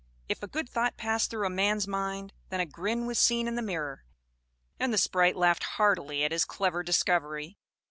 If a good thought passed through a man's mind, then a grin was seen in the mirror, and the sprite laughed heartily at his clever discovery.